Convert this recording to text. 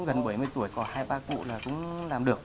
gần bảy mươi tuổi có hai ba cụ là cũng làm được